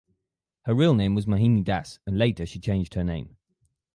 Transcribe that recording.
Her real name was Mohini Das and later she changed her name.